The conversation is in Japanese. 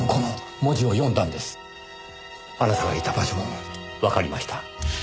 あなたがいた場所もわかりました。